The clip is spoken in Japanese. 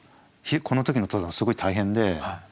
この時の登山すごい大変で。